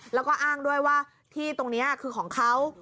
แล้วก็อ้างด้วยว่าที่ตรงนี้คือของเขา